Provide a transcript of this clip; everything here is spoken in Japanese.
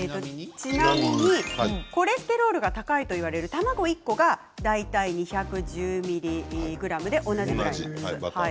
ちなみにコレステロールが高いといわれる卵１個が大体２１０ｍｇで同じくらい。